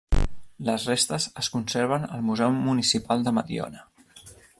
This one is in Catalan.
Les restes es conserven al museu municipal de Mediona.